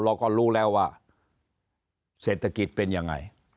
เราก็รู้แล้วว่าเศรษฐกิจเป็นยังไง